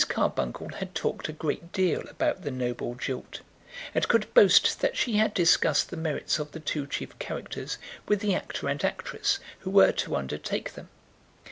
Carbuncle had talked a great deal about "The Noble Jilt," and could boast that she had discussed the merits of the two chief characters with the actor and actress who were to undertake them.